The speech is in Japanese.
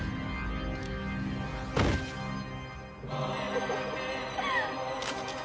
フフフッ。